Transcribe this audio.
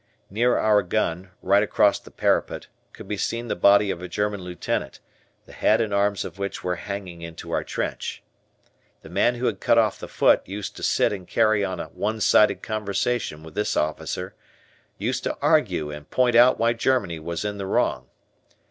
Near our gun, right across the parapet, could be seen the body of a German lieutenant, the head and arms of which were hanging into our trench. The man who had cut off the foot used to sit and carry on a one sided conversation with this officer, used to argue and point out why Germany was in the wrong.